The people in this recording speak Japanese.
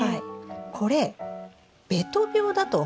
これべと病だと思うんですが。